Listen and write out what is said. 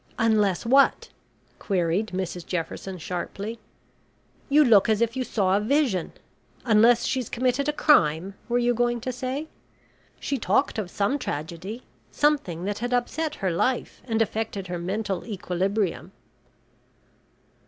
"Unless what?" queried Mrs Jefferson, sharply. "You look as if you saw a vision. Unless she's committed a crime, were you going to say? She talked of some tragedy something that had upset her life, and affected her mental equilibrium."